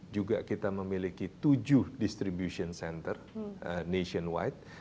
juga kita memiliki tujuh distribution center nationwide